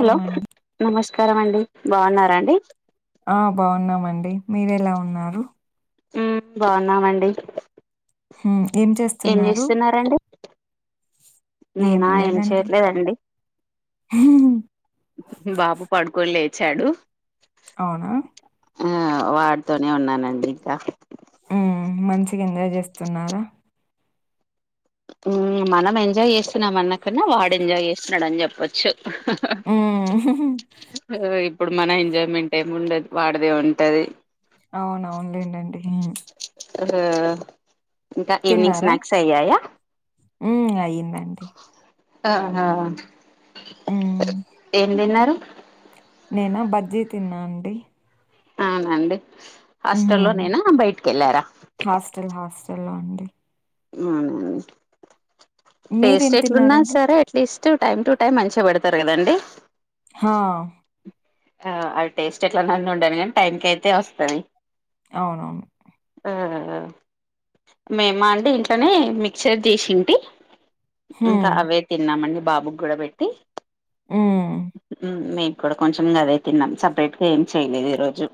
Hello నమస్కారం అండి బాగున్నారండి ఆ బాగున్నామండి మీరెలా ఉన్నారు బాగున్నామండి హ్మ్ ఏం చేస్తున్నారు నేనా ఏం చేయట్లేదండి బాబు పడుకోని లేచాడు అవునా? ఆ వాడుతోనే ఉన్నానండి ఇంకా ఉమ్ మంచిగెంజాయ్ చేస్తున్నారా మనం ఎంజాయ్ చేస్తున్నామన్నా కన్నా వాడు ఎంజాయ్ చేస్తున్నాడు అని చెప్పొచ్చు మ్మ్ ఇప్పుడు మన ఎంజాయ్మెంట్ ఏముండదు వాడిదే ఉంటది అవునవును లేండండి ఇంకా ఈవినింగ్ స్నాక్స్ అయ్యాయా ఉమ్ అయ్యిందండి ఆహా మ్మ్ ఎందిన్నారు నేనా బజ్జీ తిన్నా అండి అవునా అండి హాస్టల్లో హ్మ్. నేనా బయటికెళ్ళారా ఎల్లా అండి మీరేం టేస్ట్ ఎట్లున్నా తిన్నారండి? సరే at least. Two time to time మంచిగా పెడతారు కదండి హా ఆ అవి టేస్ట్ ఎట్లన్న ఉండాని గానీ టైంకి అయితే వస్తది అవునవును ఆ మేమా అండి ఇంట్లోనే మిక్చర్ దీసింటి ఇంక హ్మ్. అవే తిన్నామండి బాబుగ్గుడ బెట్టి ఊమ్ మేమ కూడా కొంచెం ఇంగ అదే తిన్నాం సపరేట్ గా ఏం చేయలేదు ఈ రోజు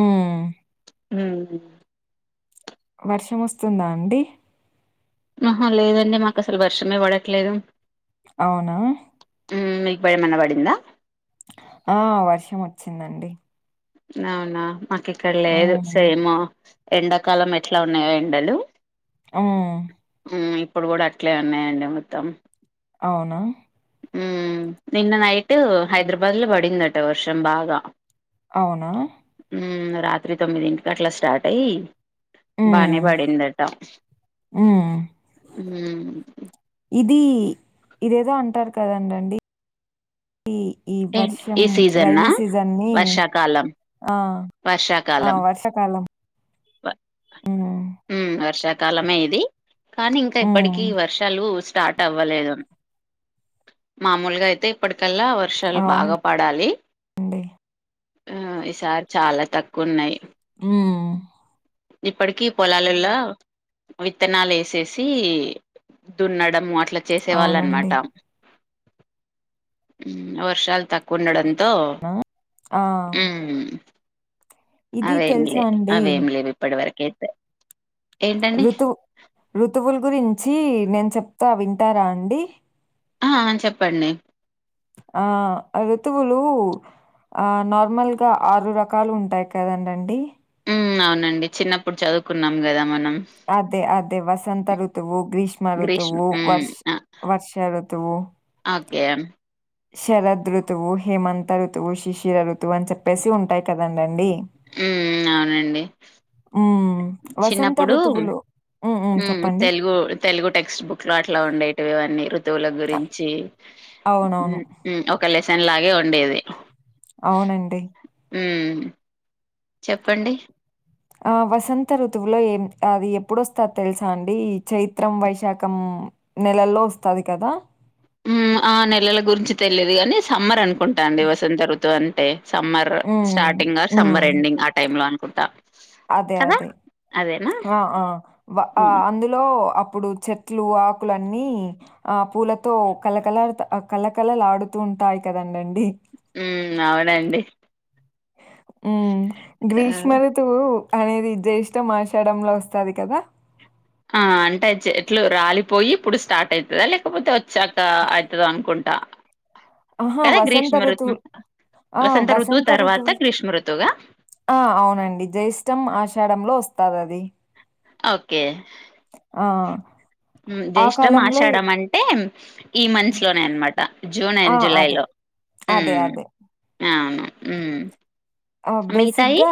ఊమ్ ఊమ్ వర్షం వస్తుందా అండి ఆహా లేదండి మాకు అసలు వర్షమే బడట్లేదు అవునా హుమ్ నీ పై ఏమైనా పడిందా. ఆ వర్షమొచ్చిందండి అవునా మాకి ఇక్కల్లేదు హ్మ్. సేము ఎండాకాలం ఎట్లా ఉన్నాయొ ఎండలు ఆ మ్ ఇప్పుడు గూడా అట్లే ఉన్నాయండి మొత్తం అవునా ఊమ్ నిన్న నైటు హైదరాబాద్ లో బడిందంట వర్షం బాగా అవునా ఉమ్ రాత్రి తొమ్మిదింటికి అట్లా స్టార్ట్ అయ్య్ బానే హ్మ్. పడిందటా హ్మ్. ఊ ఇది ఇదేదో అంటారు కదండండి ఈ ఏంటి వర్షం ఈ సీజన్నా రైైనీ సీజన్ ని వర్షాకాలం ఆ ఆ వర్షాకాలం వర్షాకాలం వ ఆ ఉమ్ వర్షాకాలమే ఇది కానీ ఇంకా హ్మ్. ఇప్పటికీ వర్షాలు స్టార్ట్ అవ్వలేదు మామొలుగా అయితే ఇప్పడ్ కల్లా వర్షాలు బాగా అవునండి. పడాలి ఆ ఈ సారి చాలా తక్కున్నాయ్ ఊమ్ ఇప్పడికీ పోలాలల్లా విత్తనాలు ఏసేసి దున్నడం అట్ల్ ట్ల చేసేవాళ్ళ అవునండి. అనమాట ఉ వర్షాలు తక్కువ ఉండడం తో ఆ! ఆ! ఉమ్ ఇది అవేం తెలుసా లేదు అండి? అవేం లేవు ఇప్పడ వరకైతే ఏంటండి ఋతువు ఋతువుల్ గురించి నేన్ చొప్తా వింటారా అండి ఆహ చెప్పండి ఆ ఋతువులుు ఆ నార్మల్గా ఆరు రకాలు ఉంటాయ్ కదండండి ఉమ్ అవునండి చిన్నప్పుడు చదువుకున్నాం గదా మనం అదే అదే వసంత ఋతువు గ్రీష్మ గ్రీష్మ్ రుతువు మ్ వర్ష్ వర్ష రుతువు ఓకే శరద్ ఋతువు హేమంత ఋతువు శిశిర ఋతువు అని చెప్పేసి ఉంటాయ్ కదండండి ఉ అవునండి హ్మ్. వసంత చిన్నప్పుడు ఋతువులు తెలుగు తెలుగు టెక్స్ట్ బుక్ లో అట్లా ఉండేటివివన్నీ జతువుల అ గురించి అవునవును. ఒక లెసన్ లాగే వండేది అవునండి చెప్పండి ఆ వసంత ఋతువులో ఏం అది ఎప్పుడుొస్తారు తెలుసా అండి చైత్రం వైశాఖం నెలల్లో వస్తాది కదా ఆ నెలల గురించి తెలియదు కాగాని సమ్మర్ అనుకుంటా అండి వసంతఋతు అంటే summer hmm. Starting hmm. Summer ending ఆ టైమ్ లో అనుకుంటా అదే కదా! అదే అదేనా? ఆ హ్మ్. అందులో ఇప్పుడు చెట్లు ఆకులు అన్నీ ఆ పూలతో కళ్లకల కళ్ళకలలు ఆడుతూ ఉంటాయి కదండండి ఉ అవునండి ఉ ఆ! గ్రీష్మలు త అనేది జే ఇష్టం మార్చడంలో వస్తుంది కదా ఆ అంటే అ చెట్లు రాలిపోయి ఇప్పుడు స్టార్ట్ అవుతుందా లేకపోతే చక్క అవుతుంది అనుకుంటా ఆహా కదా! వసంత గ్రీష్మ ఋతువు ఋతువులు ఆ ఋతువు వసంత తర్వాత ఋతువులు గ్రీష్మ ఋతువుగా? ఆ అవునండి జేష్టం ఆషాడంలో వస్తది అది ఓకే ఆ జష్టం కాలంలో ఆశాడ ఎ అంటే ఈ మంత్స్ లోనే అనమాట జూన్ ఆ! అండ్ జులై అదే. లో అదే. అదే. అ ఆ బేసిక్గా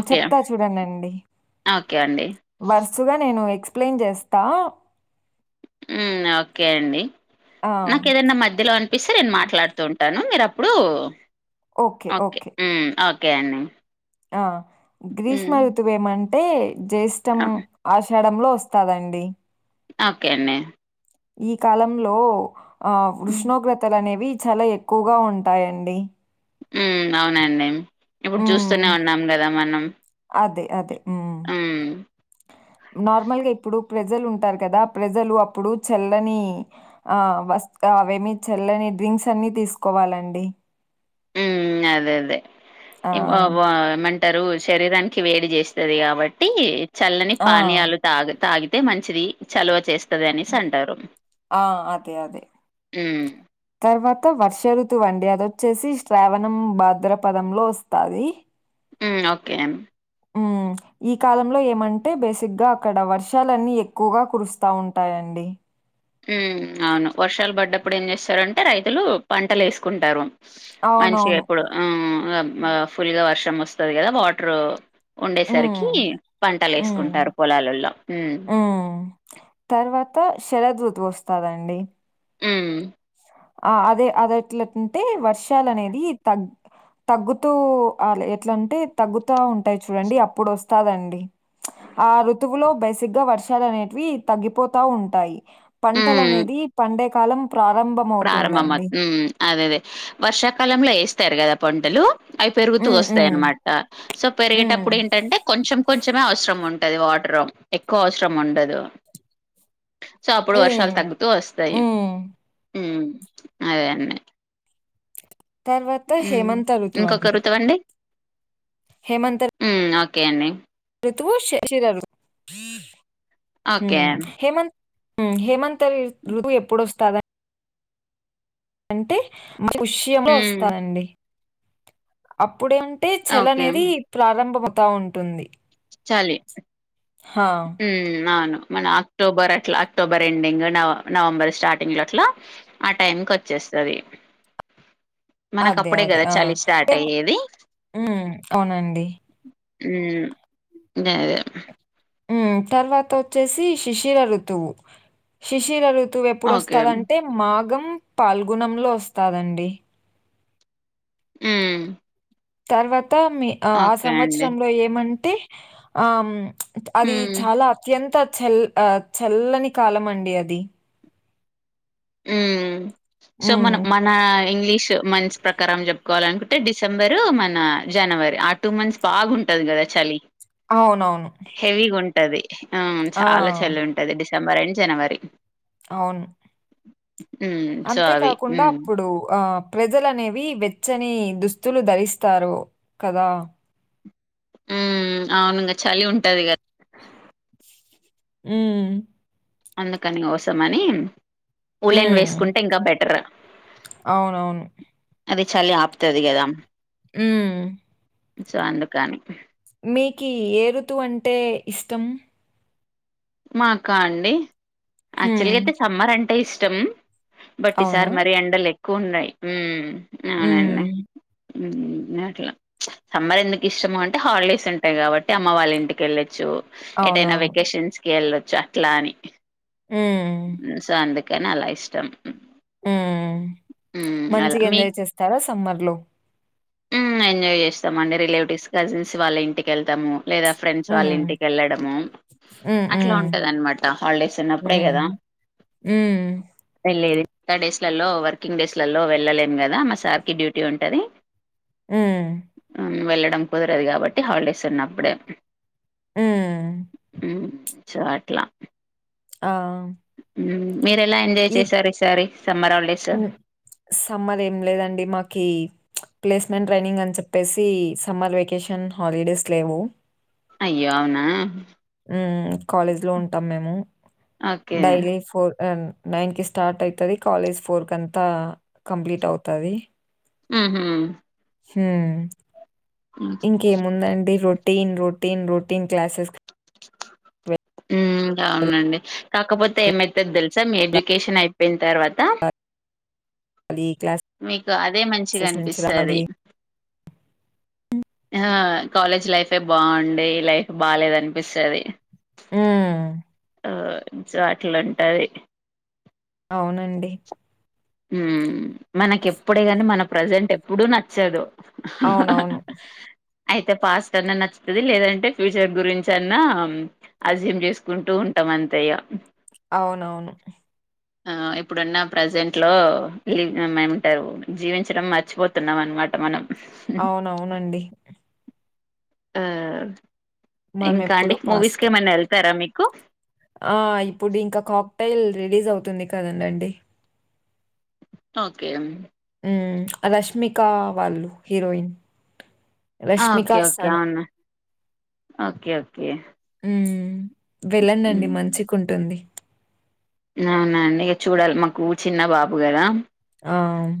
ఓకే. చెప్తా చూడంనండి ఓకే అండి. వరుసగా నేను ఎక్స్ప్లెయిన్ చేస్తా ఓకే అండి ఆ! నాకు ఏదైనా మధ్యలో అనిపిస్తే నేను మాట్లాడుతూ ఉంటాను మీరు అప్పుడు ఓకే ఓకే అండి ఆ గ్రీష్మ హ్మ్. ఋతువ ఏమంటే జ్యేష్టం ఆ! ఆ చెడంలో వస్తాదండి ఓకే అన్న ఈ కాలంలో ఆ హ్మ్. ఉష్ణోగ్రతలు అనేవి చాలా ఎక్కువగా ఉంటాయండి అవునండి ఇప్పుడు చూస్తూనే హ్మ్. ఉన్నాం కదా మనం అదే. నార్మల్ గా ఇప్పుడు ప్రజలు ఉంటారు కదా ప్రజలు అప్పుడు చల్లని ఆ వ అవేమి చెల్లని డ్రింక్స్ అన్ని తీసుకోవాలండి అదే అదే ఆ! ఇ మ శరీరానికి వేడి చేస్తుంది కాబట్టి చల్లని ఆ! పానీయాలు తాగి తాగి అయితే మంచిది చలవ చేస్త ఆ అదే అదే హ్మ్. తర్వాత వర్ష ఋతు వడి అద వచ్చేసి శ్రావణం భాద్ర పదంంలో వస్తాది ఓకే అం ఈ కాలంలో ఏమంటే బేసిక్గా అక్కడ వర్షాలన్ని ఎక్కువగా కురుస్తా ఉంటాయడి అండి ఉ అవును వర్షాలు పడ్డప్పుడు ఏం చేస్తారుంటే రైతులు పంటలు వేసుకుంటారు మంచిగా అవునవును. ఇప్పుడు ఫుల్గా వర్షం వస్తుంది కదా వాటరు హ్మ్. ఉండేసరికి పంటలు హ్మ్. వేసుకుంటారు పొలాలల్లో అ శషర ఋతువు వస్తదండి హమ్ ఆ అదే అద ఎట్లాంటే వర్షాలు అనేది తగ్ తగ్గుతూ ఎట్లాంటే తగ్గుతా ఉంటాయి చూడండి అప్పుడు వస్తాదండి ఆ ఋతువులో బేసిక్ గా వర్షాలు అనేవి తగ్గిపోతా ఉంటాయి పంటలు అనేది పండేకాలం ప్రారంభము ప్రారంభంమ అదే అదే వర్షాకాలంలో వేస్తారు కదా పంటలు అవి పెరుగుతూ హ్మ్. వస్తాయి హ్మ్. అనమాట సో హ్మ్. పెరిగేటప్పుడు ఏంటంటే కొంచెం కొంచమే అవసరం ఉంటుంది ది వాటర్ ఎక్కువ అవసరం ఉండదు సో అప్పుడు హ్మ్. వర్షాలు తగ్గుతూ వస్తాయి హ్మ్. అవే అన్నీ తర్వాత హేమంత్ ఋతువు అండి ఇంకొకరుతవండి హేమంత ఒకే అండి ఋతువు శశిధ ఋతువు ఓకే. హేమంత్ హేమంత్ [unintelligible] ఎప్పుడు వస్త అంటే మ పుష్యంలో హ్మ్. వస్తానండి ఇప్పుడే ఉంటే చలి ఓకే. అనేది ప్రారంభమవుతా ఉంటుంది చలి హా! అవును మన అక్టోబర్ అట్లా అక్టోబర్ ఎండింగ్ నవ నవంబర్ స్టార్టింగ్ లో అట్లా ఆ టైం కి వచ్చేస్త ఉంటాది [unintelligible] అదే అదే ఆ స్టార్ట్ అయ్యేది. అవునండి అ అదే ఉ తర్వాత వచ్చేసి శిశిర ఋతువు శిశిరఋతువు ఋతువు ఎప్పుడు ఓకే. వస్తదంటే మాగం పాల్గునంలో వస్తాదండి హమ్ తర్వాత మీ ఆ సంవత్సరంలో ఏమంటే ఆ అది హ్మ్. చాలా అత్యంత చల్ చల్లని కాలం అండి అది ఉ సో హ్మ్. మన మన ఇంగ్లీష్ మంత్స్ ప్రకారం చెప్పుకోవాల అనుకుంటే డిసెంబరు మన జనవరి ఆ టూ మంత్స్ బాగుంట ఉంటాది కదా చలి అవున ఆవును హెవీగా ఉంటది ఆ చాలా చెల్లి ఉంటది డిసెంబర్ అండ్ జనవరి అవును హ్మ్ సో అవి అంతేకాకుండా హ్మ్ అప్పుడు ఆ ప్రజలనేవి వెచ్చని దుస్తులు ధరిస్తారు కదా అవును చలి ఉంటది కదా మ్ అందుకని కోసమని ఉళెని హ్మ్. వేసుకుంటే ఇంకా బెటర్ అవునవును అది చలి ఆపుతుది కదా మా సో అందుకని మీకి ఏ రుతువు అంటే ఇష్టం మాకా అండి హ్మ్. యాక్చువల్గా అయితే సమ్మర్ అంటే ఇష్టం బట్టి అవునా? సార్ మరి ఎండలు ఎక్కువ ఉన్నాయి అవునండి హ్మ్. నట్లా సమ్మర్ ఎందుకు ఇష్టము అంటే హాలిడేస్ ఉంటాయి కాబట్టి అమ్మ వాళ్ళ ఇంటికి వెళ్ళొచ్చు ఎటైనా అవునవును. వెకేషన్స్ కి వెళ్ళచ్చు అట్లా అని హ్మ్. సో అందుకు అలా ఇష్టం ఉ హ్మ్. అలా మంచిగా ఎంజాయ్ చేస్తారా సమ్మర్ లో ఉమ్ ఎంజాయ్ చేస్తాం అండి రిలేటివ్స్ కజిన్స్ వాళ్ళ ఇంటికి వెళ్తాము లేదా ఫ్రెండ్స్ వాళ్ళ హ్మ్. ఇంటికి వెళ్ళడము హ్మ్. అట్లా హ్మ్. ఉంటది అనమాట హాలిడేస్ హ్మ్. ఉన్నప్పుడే కదా హ్మ్. వెళ్ళేది డేస్లలో వర్కింగ్ డేస్లలో వెళ్ళలేము కదా మా సార్కి డ్యూటీ ఉంటుంది ఉమ్ డం కుదరదు కాబట్టి హాలిడేస్ ఉన్నప్పుడే ఉమ్ సో అట్లా ఆ మీరెలా ఎంజాయ్ చేసారు ఈసారి సమ్మర్ హాలిడేస్? ఉ సమ్మర్ ఏం లేదండి మాకి ప్లేస్మెంట్ ట్రైనింగ్ అని చెప్పేసి సమ్మర్ వెేకేషన్ హాలిడేస్ లేవు అయ్యో అవునా కాలేజ్ లో ఉంటాం మేము ఓకే. డైలీ ఫోర్ నైన్కి స్టార్ట్ అయితది కాలేజ్ ఫోర్ క అంతా కంప్లీట్ అవుతది ఉహు హూ ఇంకేముందండి రొటీన్ రొటీన్ రొటీన్ క్లాసెస్ అ ఉం అవునండి కాకపోతే ఏమైతదో తెలుసా మీ ఎడ్యుకేషన్ అయిపోయిన తర్వాత అ మీకు అదే మంచిగా క్లాసెస్ నుంచి అనిపిస్తది రావాలి. ఆ కాలేజ్ లైఫే బాగుండే లైఫ్ బాలేదనిపిస్తది ఉమ్ ఆ సో అట్లు ఉంటది అవునండి ఉ మనకి ఎప్పుడే కానీ మన ప్రజెంట్ ఎప్పుడుూ నచ్చదు అవునవును అయితే పాస్ట్ అన్నా నచ్చుది లేదంటే ఫ్యూచర్ గురించి అన్నా అజ్యూమ్ చేసుకుంటూ ఉంట ఉంటమంతే ఇగ అవునవును ఆ ఇప్పుడున్న ప్రజెంట్ ట్లో లివ్ ఏమంటారు జీవించడం మర్చిపోతున్నాం అనమాట మనం అవునవునండి ఆ ఇంకా అండి మనమెప్పుడూ మూవీస్కి పాస్టే. ఏమైన్నా వెళ్తారా మీకు ఆ ఇప్పుడు ఇంకా కాక్టైల్ రిలీజ్ అవుతుంది కదండండి ఓకే రష్మికా వాళ్ళు హీరోయిన్ ఆ! రష్మిక ఓకే ఓకే అస్తానా అవును ఓకే ఓకే ఉం వెళ్ళనండి మంచికుంటుంది అవునండి ఇక చూడాలి మాకు ఊ చిన్న బాబు గదా ఆమ్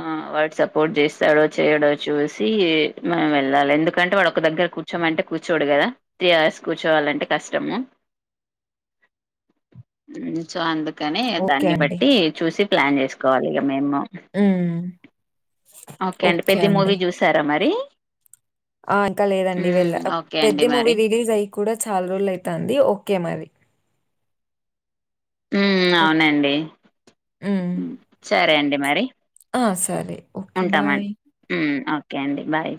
ఆ వాడు సపోర్ట్ చేస్తాడో చేయడో చూసి మేం వెళ్ళాలి ఎందుకంటే వాడు ఒక దగ్గర కూర్చో మంటే అంటే కూర్చోడు కదా త్రీ అవర్స్ కూర్చోవాలంటే కష్టము అ ఉమ్ సో అందుకని ఓకే దాన్ని అండి. బట్టి చూసి ప్లాన్ చేసుకోవాలి ఇక మేము ఉమ్ ఓకే అండి పెద్ద మూవీ చూసారా మరి ఆ ఇంకా లేదండి వెళ్ళ ఉమ్, ఓకే అండి పెద్ద మూవీ మరి రిలీజ్ అయ్య కూడా చాలా రోజులు అయితంది కే మరి మ్ ఓకే. అవునండి సరే అండి మరి అ సరే ఓకే. ఉంటామన్ బాయ్. మ్ ఓకే అండి బాయ్